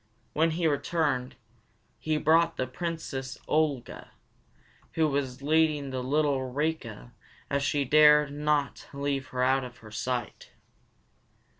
When he returned, he brought the Princess Olga, who was leading the little Rika as though she dared not leave her out of her sight.